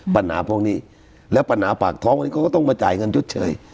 ปัญหาพวกนี้แล้วปัญหาปากท้องก็ต้องมาจ่ายเงินจุดเฉย